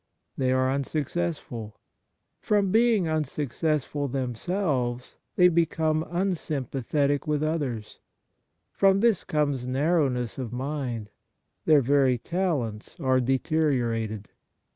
They are unsuccessful. From being unsuccess ful themselves, they become unsympathetic with others. From this comes narrowness of mind ; their very talents are deteriorated.